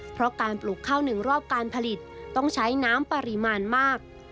เพราะการปลูกข้าวหนึ่งรอบการผลิตต้องใช้น้ำปริมาณมาก